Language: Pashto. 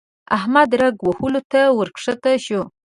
احمد رګ وهلو ته ورکښته شو.